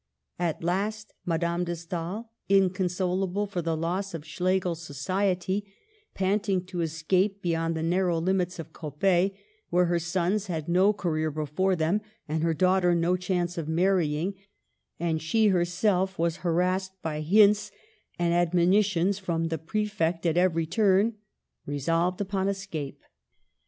At last Madame de Stael — inconsolable for the loss of Schlegel's society, panting to escape be yond the narrow limits of Coppet, where her sons had no career before them, and her daughter no chance of marrying, and she herself was harassed by hints and admonitions from the Prefect at every turn — resolved upon escape.